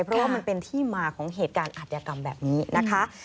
เพราะว่ามันเป็นที่มาของเหตุการณ์อัธยกรรมแบบนี้นะคะ